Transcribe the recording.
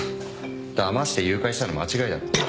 だまして誘拐したの間違いだろ。